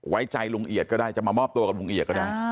ไว้ใจลุงเอียดก็ได้จะมามอบตัวกับลุงเอียดก็ได้